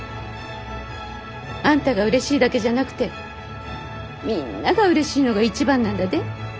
あんたがうれしいだけじゃなくてみぃんながうれしいのが一番なんだで。